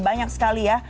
banyak sekali ya